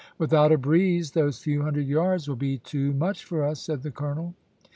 "Without a breeze those few hundred yards will be too much for us," said the colonel.